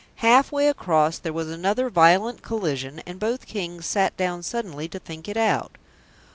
Half way across there was another violent collision, and both Kings sat down suddenly to think it out.